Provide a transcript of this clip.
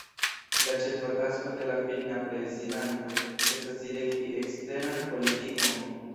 La ĉefa tasko de la finna prezidanto estas direkti eksteran politikon.